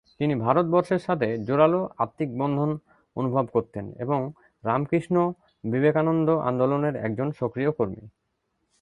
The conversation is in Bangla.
তিনি ভারত বর্ষের সাথে জোরালো আত্মিক বন্ধন অনুভব করতেন এবং রামকৃষ্ণ-বিবেকানন্দ আন্দোলনের একজন সক্রিয় কর্মী।